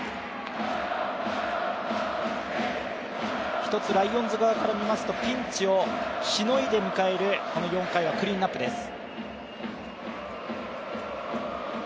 １つライオンズ側から見ますと、ピンチをしのいで迎えるこの４回はクリーンアップです。